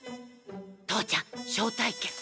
父ちゃん招待券。